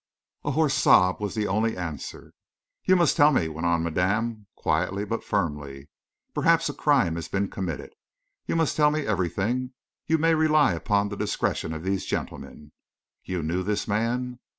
A hoarse sob was the only answer. "You must tell me," went on madame, quietly but firmly. "Perhaps a crime has been committed. You must tell me everything. You may rely upon the discretion of these gentlemen. You knew this man?"